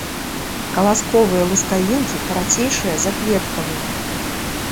Каласковыя лускавінкі карацейшыя за кветкавыя.